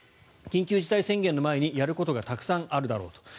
緊急事態宣言の前にやることがたくさんあるだろうと。